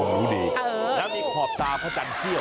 และมีขอบตาพระจันทร์เที่ยว